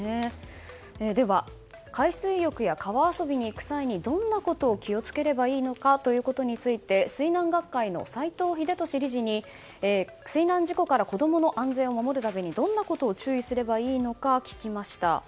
では海水浴や川遊びに行く際にどんなことを気を付ければいいのかということについて水難学会の斎藤秀俊理事に水難事故から子供の安全を守るためにどんなことを注意すればいいのか聞きました。